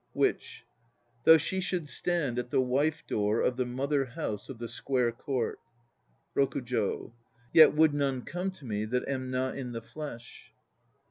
WITCH. Though she should stand at the wife door of the mother house of the square court ... l ROKUJO. Yet would none come to me, that am not in the flesh.